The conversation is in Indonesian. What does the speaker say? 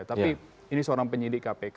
tapi ini seorang penyidik kpk